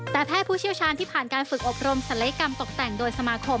แต่แพทย์ผู้เชี่ยวชาญที่ผ่านการฝึกอบรมศัลยกรรมตกแต่งโดยสมาคม